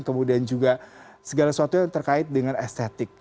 kemudian juga segala sesuatu yang terkait dengan estetik